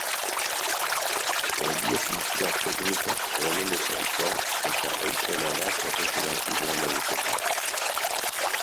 Olio-pintura teknika onenetarikoa eta ohikoena da profesionalki lan egiteko.